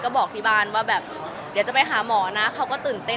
ก็บอกที่บ้านว่าแบบเดี๋ยวจะไปหาหมอนะเขาก็ตื่นเต้น